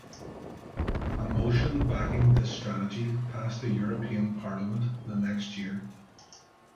A motion backing this strategy passed the European Parliament the next year.